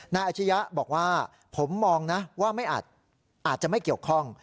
นาอาชญะบอกว่าผมมองนะว่าไม่อาจอาจจะไม่เกี่ยวข้อง